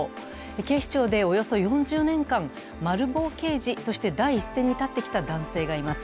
警視庁でおよそ４０年間、マル暴刑事として第一線に立ってきた男性がいます。